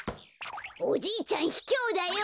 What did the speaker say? おじいちゃんひきょうだよ！